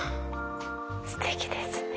すてきですね。